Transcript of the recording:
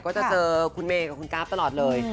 ก็จะเจอคุณเมย์กับคุณกราฟตลอดเลย